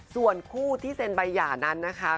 ส่วนคู่ที่เซ็นใบหย่านั้นนะคะ